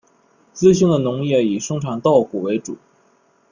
资兴的农业以生产稻谷为主。